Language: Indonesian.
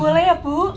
boleh ya bu